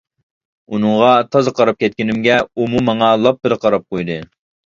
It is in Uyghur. ئۇنىڭغا تازا قاراپ كەتكىنىمگە ئۇمۇ ماڭا لاپپىدە قاراپ قويدى.